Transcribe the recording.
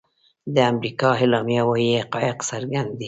د امریکا اعلامیه وايي حقایق څرګند دي.